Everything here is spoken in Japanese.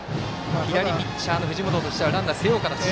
左ピッチャーの藤本としてはランナーを背負う形。